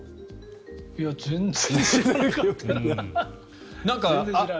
いや、全然知らなかった。